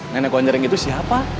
nenek gonjreng itu siapa